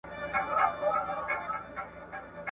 کله چي د کرهنیز اووښتون